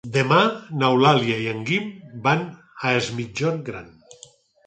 Demà n'Eulàlia i en Guim van a Es Migjorn Gran.